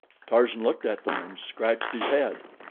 Tarzan looked at them and scratched his head.